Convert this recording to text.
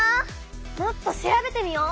もっと調べてみよう！